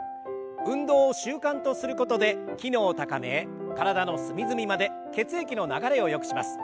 運動を習慣とすることで機能を高め体の隅々まで血液の流れをよくします。